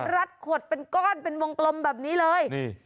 ขดเป็นก้อนเป็นวงกลมแบบนี้เลย